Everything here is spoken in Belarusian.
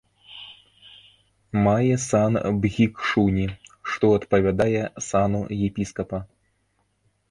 Мае сан бхікшуні, што адпавядае сану епіскапа.